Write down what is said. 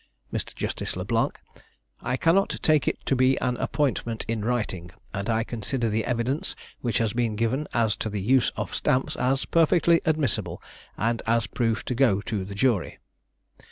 Mr. Justice Le Blanc. I cannot take it to be an appointment in writing; and I consider the evidence which has been given as to the use of stamps as perfectly admissible, and as proof to go to the jury.